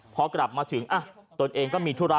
พอกลับมาถึงตนเองก็มีธุระ